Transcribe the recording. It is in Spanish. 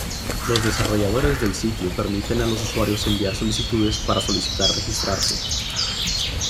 Los desarrolladores del sitio permiten a los usuarios enviar solicitudes para solicitar registrarse.